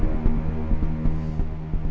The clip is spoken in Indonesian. lo udah ngerti kan